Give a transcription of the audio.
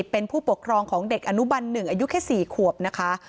เป็นผู้ปกครองของเด็กอนุบัน๑อายุแค่๔ขวบนะคะ